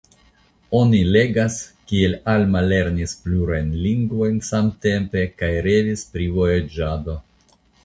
Oni legas kiel Alma lernis plurajn lingvojn samtempe kaj revis pri vojaĝado.